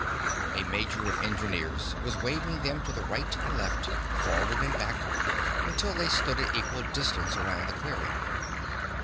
A major of engineers was waving them to the right and left, forward and back until they stood at equal distance around the clearing.